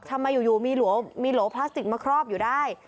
ทำไมอยู่มีโหลพลาสติกมาครอบอยู่ได้